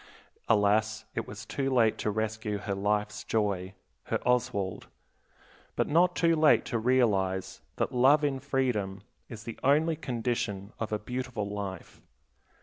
Alas, it was too late to rescue her life's joy, her Oswald; but not too late to realize that love in freedom is the only condition of a beautiful life.